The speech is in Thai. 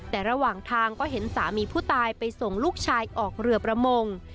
แต่ระหว่างทางก็เห็นสามีผู้ตายไปส่งลูกชายออกเรือประมง